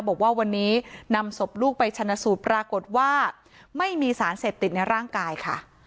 บอกว่าวันนี้นำศพลูกไปชนะสูตรปรากฏว่าไม่มีสารเสพติดในร่างกายค่ะ